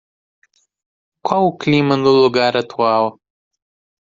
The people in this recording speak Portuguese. Qual o clima no lugar atual?